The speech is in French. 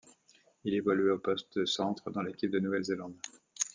Il évoluait au poste de centre dans l'équipe de Nouvelle-Zélande.